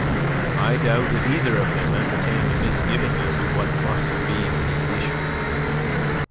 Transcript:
I doubt if either of them entertained a misgiving as to what must be the issue.